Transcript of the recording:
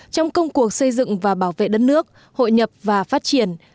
trong công cuộc xây dựng và bảo vệ đất nước hội nhập và phát triển